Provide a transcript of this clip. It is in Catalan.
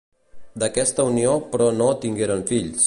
D'aquesta unió però no tingueren fills.